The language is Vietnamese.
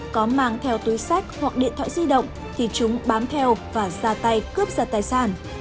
nếu đối tượng có mang theo túi sách hoặc điện thoại di động thì chúng bám theo và ra tay cướp giật tài sản